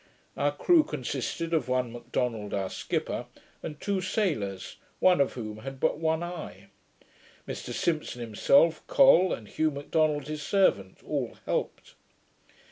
Our crew consisted of one M'Donald, our skipper, and two sailors, one of whom had but one eye; Mr Simpson himself, Col, and Hugh M'Donald his servant, all helped.